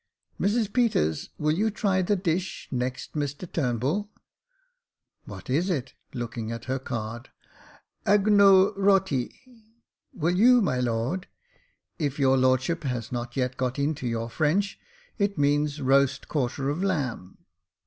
" Mrs Peters, will you try the dish next Mr Turnbull } What is it ?" (looking at her card) —'^ Agno roty. Will you, my lord .'' If your lordship has not yet got into your French — it means roast quarter of lamb."